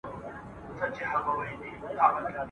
د سر خیرات به مي پانوس ته وي در وړی وزر ..